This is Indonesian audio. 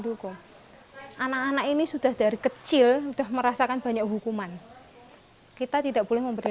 ruko anak anak ini sudah dari kecil udah merasakan banyak hukuman kita tidak boleh memberi